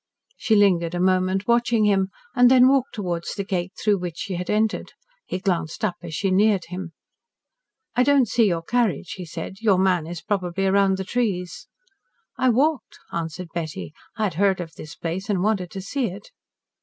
She lingered a moment watching him, and then walked towards the gate through which she had entered. He glanced up as she neared him. "I don't see your carriage," he said. "Your man is probably round the trees." "I walked," answered Betty. "I had heard of this place and wanted to see it."